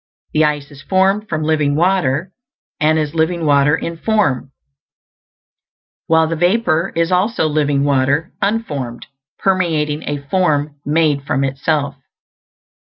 The ice is formed from living water, and is living water in form; while the vapor is also living water, unformed, permeating a form made from itself.